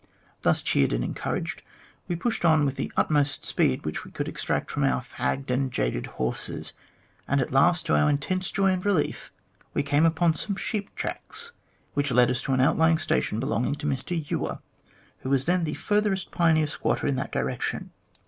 Thus cheered and en couraged, we pushed on with the utmost speed that we could extract from our fagged and jaded horses, and at last, to our intense joy and relief, we came upon some sheep tracks, which led us to an outlying station belonging to Mr Ewer, who was then the furthest pioneer squatter in that direction.